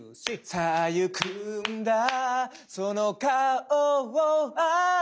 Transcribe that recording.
「さあ行くんだその顔をあげて」